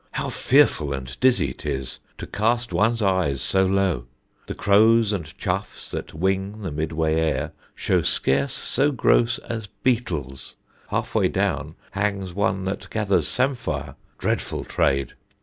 How fearful And dizzy 't is, to cast one's eyes so low! The crows and choughs, that wing the midway air, Show scarce so gross as beetles: half way down Hangs one that gathers samphire dreadful trade!